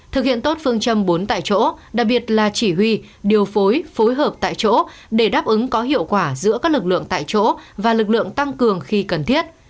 thực hiện tốt phương châm bốn tại chỗ đặc biệt là chỉ huy điều phối phối hợp tại chỗ để đáp ứng có hiệu quả giữa các lực lượng tại chỗ và lực lượng tăng cường khi cần thiết